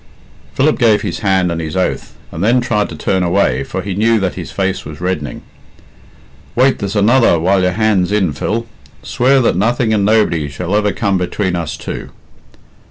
Philip gave his hand and his oath, and then tried to turn away, for he knew that his face was reddening. "Wait! There's another while your hand's in, Phil. Swear that nothing and nobody shall ever come between us two."